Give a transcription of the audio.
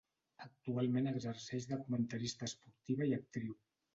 Actualment exerceix de comentarista esportiva i actriu.